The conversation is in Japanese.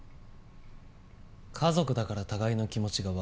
家族だから互いの気持ちがわかり合える。